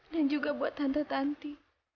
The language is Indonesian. dan juga buat tante tanti